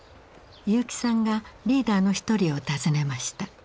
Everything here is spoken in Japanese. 結城さんがリーダーの一人を訪ねました。